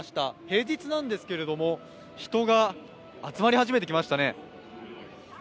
平日なんですけれども、人が集まり始めてきましたね。